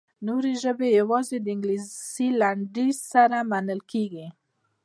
نورې ژبې یوازې د انګلیسي لنډیز سره منل کیږي.